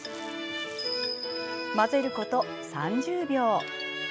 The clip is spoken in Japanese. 混ぜること３０秒。